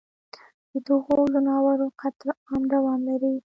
ددغو ځناورو قتل عام دوام لري